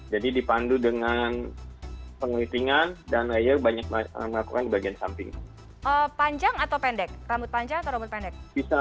jadi dipandu dengan penguritingan dan layer banyak melakukan di bagian samping